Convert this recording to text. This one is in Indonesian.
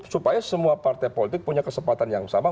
supaya semua partai politik punya kesempatan yang sama